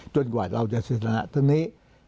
จนกว่าเราจะสนับทั้งนี้